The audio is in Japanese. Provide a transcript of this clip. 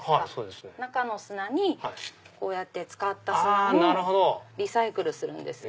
中の砂にこうやって使った砂をリサイクルするんです。